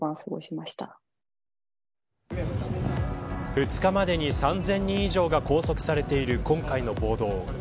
２日までに３０００人以上が拘束されている今回の暴動。